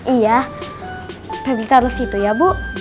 iya feby taruh situ ya bu